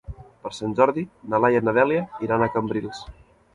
Per Sant Jordi na Laia i na Dèlia iran a Cambrils.